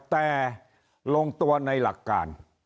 แต่ลงตัวในหลักการ